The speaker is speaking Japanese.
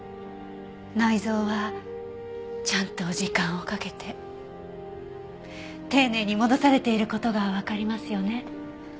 内臓はちゃんと時間をかけて丁寧に戻されている事がわかりますよね。